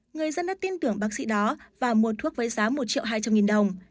người dân đã tin tưởng bác sĩ đó và mua thuốc với giá một triệu hai trăm linh nghìn đồng